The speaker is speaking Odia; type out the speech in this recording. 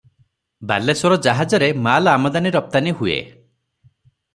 ବାଲେଶ୍ୱର ଜାହାଜରେ ମାଲ ଆମଦାନି ରପ୍ତାନି ହୁଏ ।